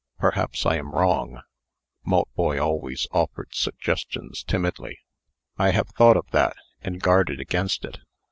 Perhaps I am wrong." (Maltboy always offered suggestions timidly.) "I have thought of that, and guarded against it.